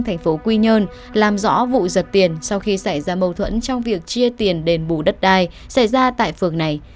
thành phố quy nhơn làm rõ vụ giật tiền sau khi xảy ra mâu thuẫn trong việc chia tiền đền bù đất đai xảy ra tại phường này